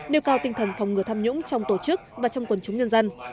nêu cao tinh thần phòng ngừa tham nhũng trong tổ chức và trong quần chúng nhân dân